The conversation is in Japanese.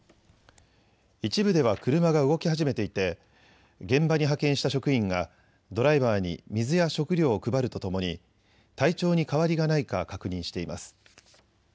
一部では車が動き始めていて現場に派遣した職員がドライバーに水や食料を配るとともに体調に変わりがないか確認しています。